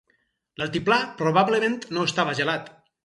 L'altiplà probablement no estava gelat.